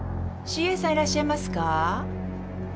ＣＡさんいらっしゃいますか？